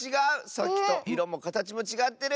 さっきといろもかたちもちがってる！